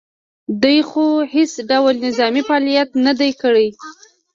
دوی خو هېڅ ډول نظامي فعالیت نه دی کړی